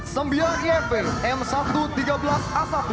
sembiang ifv m satu ratus tiga belas a satu